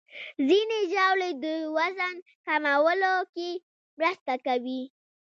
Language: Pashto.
ځینې ژاولې د وزن کمولو کې مرسته کوي.